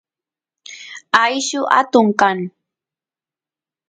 ayllu atun kan